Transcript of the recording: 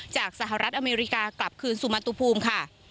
สหรัฐอเมริกากลับคืนสุมาตุภูมิค่ะ